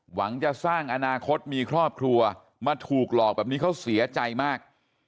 หวังจะสร้างอนาคตมีครอบครัวมาถูกหลอกแบบนี้เขาเสียใจมาก